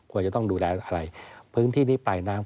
ควรจะต้องดูแลอะไรพื้นที่นี้ปลายน้ำ